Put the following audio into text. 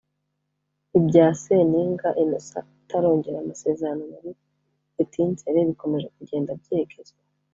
Ibya Seninga Innocent utarongera amasezerano muri Etincelles bikomeje kugenda byegezwa